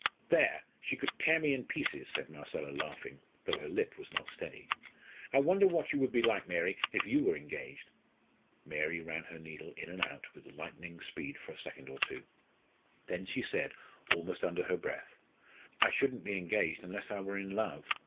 "There, she could tear me in pieces!" said Marcella, laughing, though her lip was not steady. "I wonder what you would be like, Mary, if you were engaged." Mary ran her needle in and out with lightning speed for a second or two, then she said almost under her breath "I shouldn't be engaged unless I were in love.